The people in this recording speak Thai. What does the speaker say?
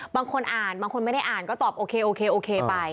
บางคนอ่านบางคนไม่ได้อ่านก็ตอบโอเคโอเคไป